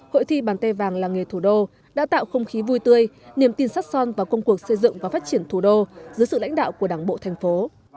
hội thi bàn tay vàng là nghề thủ đô đã tạo không khí vui tươi niềm tin sắt son vào công cuộc xây dựng và phát triển thủ đô dưới sự lãnh đạo của đảng bộ thành phố